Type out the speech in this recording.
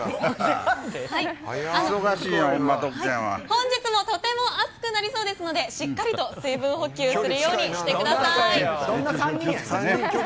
本日もとても暑くなりそうですのでしっかりと水分補給するようにしてください。